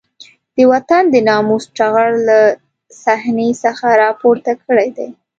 د وطن د ناموس ټغر له صحنې څخه راپورته کړی دی.